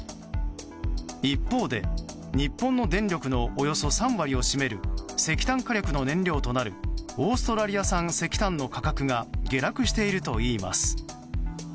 一方で日本の電力のおよそ３割を占める石炭火力の燃料となるオーストラリア産石炭の価格が下落しているといいます。